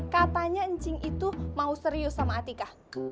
katanya encing itu mau serius sama atika